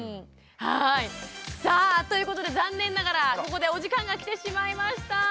はいさあということで残念ながらここでお時間が来てしまいました。